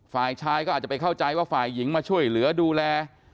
ฝ่ายชายก็อาจจะไปเข้าใจว่าฝ่ายหญิงมาช่วยเหลือดูแล